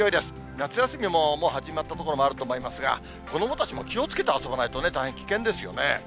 夏休みももう始まったところもあると思いますが、子どもたちも気をつけて遊ばないとね、大変危険ですよね。